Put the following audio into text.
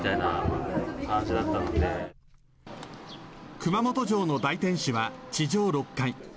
熊本城の大天守は地上６階。